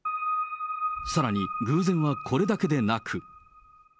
さらに偶然はこれだけでなく。